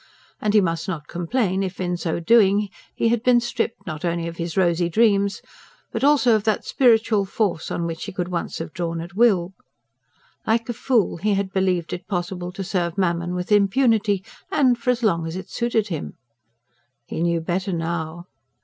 And he must not complain if, in so doing, he had been stripped, not only of his rosy dreams, but also of that spiritual force on which he could once have drawn at will. Like a fool he had believed it possible to serve mammon with impunity, and for as long as it suited him. He knew better now.